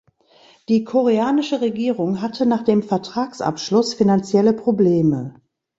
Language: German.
Die koreanische Regierung hatte nach dem Vertragsabschluss finanzielle Probleme.